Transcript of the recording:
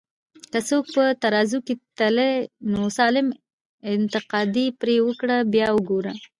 که څوک په ترازو کي تلې، نو سالم انتقاد پرې وکړه بیا وګوره